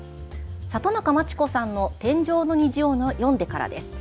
里中満智子さんの「天上の虹」を読んでからです。